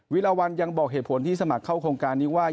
วิลาวันยังบอกเหตุผลที่สมัครเข้าโครงการนี้ว่า